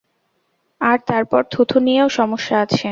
আর তারপর থুতু নিয়েও সমস্যা আছে।